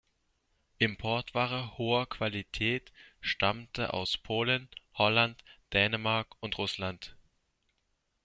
Importware hoher Qualität stammte aus Polen, Holland, Dänemark und Russland.